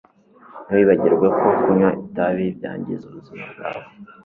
Ntiwibagirwe ko kunywa itabi byangiza ubuzima bwawe